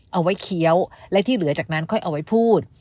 เอาไว้เคี้ยวและที่เหลือจากนั้นค่อยเอาไว้พูด